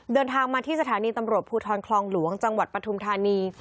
เดินทางมาที่สถานีตำรวจภูทรคลองหลวงจังหวัดปฐุมธานี